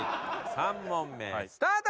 ３問目スタート！